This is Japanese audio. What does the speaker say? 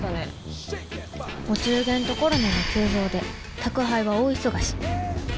お中元とコロナの急増で宅配は大忙し。